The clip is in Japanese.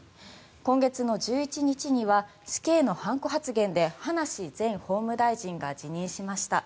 今月１１日には死刑の判子発言で葉梨前法務大臣が辞任しました。